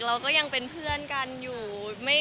เราก็ยังเป็นเพื่อนกันอยู่